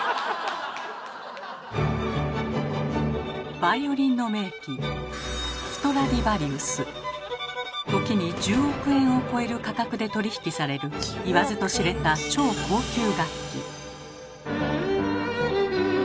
バイオリンの名器時に１０億円を超える価格で取り引きされる言わずと知れた超高級楽器。